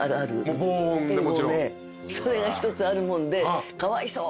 それが一つあるもんで。